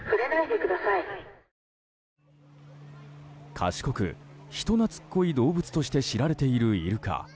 賢く、人懐っこい動物として知られているイルカ。